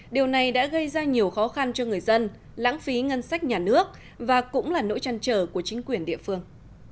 điều này đã gây ra nhiều khó khăn cho người dân lãng phí ngân sách nhà nước và cũng là nỗi chăn trở của chính quyền địa phương